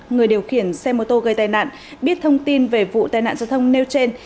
người điều khiển xe mô tô gây tai nạn biết thông tin về vụ tai nạn giao thông nêu trên